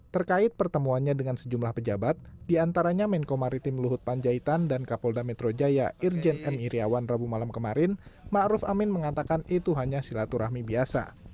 terkait pertemuannya dengan sejumlah pejabat diantaranya menko maritim luhut panjaitan dan kapolda metro jaya irjen m iryawan rabu malam kemarin ⁇ maruf ⁇ amin mengatakan itu hanya silaturahmi biasa